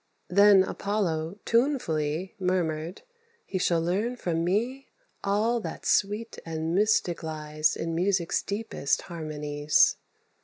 Then Apollo, tunefully, Murmured, "He shall learn from me All that sweet and mystic lies In music's deepest harmonies."